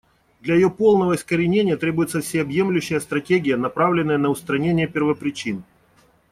Для ее полного искоренения требуется всеобъемлющая стратегия, направленная на устранение первопричин.